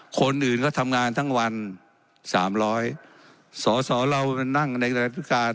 คนอื่นก็ทำงานทั้งวันสามร้อยสอสอเรานั่งในระดับพิการ